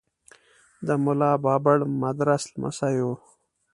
د ملا بابړ مدرس لمسی و.